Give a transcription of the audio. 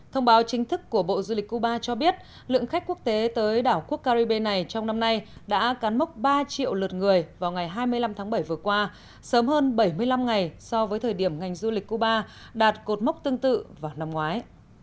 thông báo chính thức của bộ du lịch cuba cho biết lượng khách quốc tế tới đảo quốc caribe này trong năm nay đã cán mốc ba triệu lượt người vào ngày hai mươi năm tháng bảy vừa qua sớm hơn bảy mươi năm ngày so với thời điểm ngành du lịch cuba đạt cột mốc tương tự vào năm ngoái